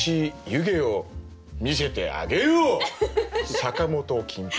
坂本金八。